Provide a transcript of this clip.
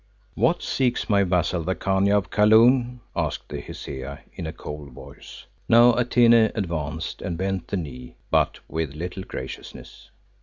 "What seeks my vassal, the Khania of Kaloon?" asked the Hesea in a cold voice. Now Atene advanced and bent the knee, but with little graciousness.